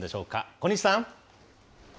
小西さん。